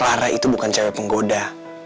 lara itu bukan cewek penggoda